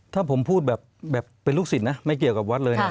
ถ้าผมพูดแบบเป็นลูกศิษย์นะไม่เกี่ยวกับวัดเลยนะ